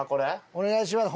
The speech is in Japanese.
お願いします。